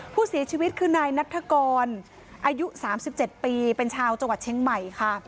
ผู้เสียชีวิตคือนายนัฐกรอายุ๓๗ปีเป็นชาวจังหวัดเชียงใหม่ค่ะ